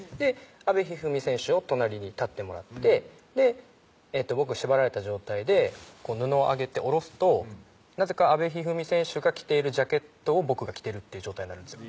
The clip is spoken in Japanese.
阿部一二三選手を隣に立ってもらって僕が縛られた状態で布を上げて下ろすとなぜか阿部一二三選手が着ているジャケットを僕が着てるっていう状態になるんですよ